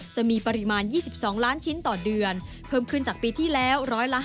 จะมีปริมาณ๒๒ล้านชิ้นต่อเดือนเพิ่มขึ้นจากปีที่แล้ว๑๕